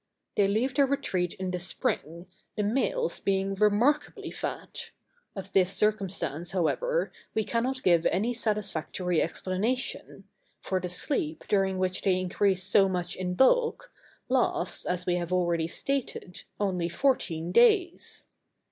They leave their retreat in the spring, the males being remarkably fat: of this circumstance, however, we cannot give any satisfactory explanation, for the sleep, during which they increase so much in bulk, lasts, as we have already stated, only fourteen days.